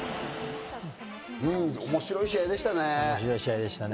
面白い試合でしたね。